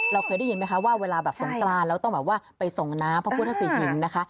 เราเคยได้ยินไหมคะว่าเวลาแบบสงกรานเราต้องแบบว่าไปส่งน้ำพระพุทธศรีหินนะคะ